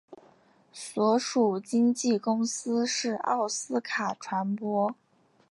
所属经纪公司是奥斯卡传播。